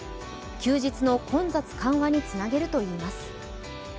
休日の混雑緩和につなげるといいます。